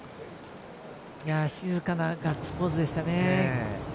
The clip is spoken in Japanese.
静かなガッツポーズでしたね。